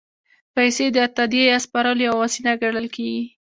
پیسې د تادیې یا سپارلو یوه وسیله ګڼل کېږي